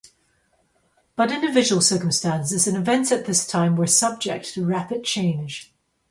But individual circumstances and events at this time were subject to rapid change.